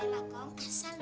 ini lah kong kesan gitu